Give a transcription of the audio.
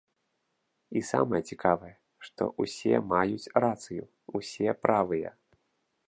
І самае цікавае, што ўсе маюць рацыю, усе правыя.